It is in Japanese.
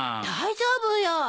大丈夫よ。